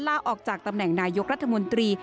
ลาออกจากตำแหน่งนายกรัฐมนตรี